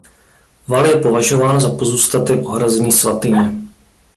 Val je považován za pozůstatek ohrazení svatyně.